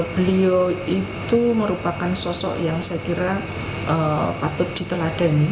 beliau itu merupakan sosok yang saya kira patut diteladani